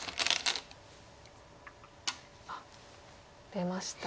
出ましたね。